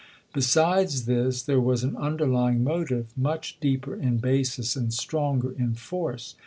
Besides this there was an underlying motive, much deeper in basis, and stronger in force.